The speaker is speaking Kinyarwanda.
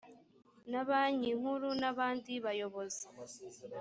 na banki nkuru n abandi bayobozi